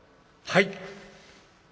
「はい。